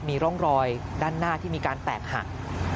มีร่องรอยด้านหน้าที่มีการแตกหัก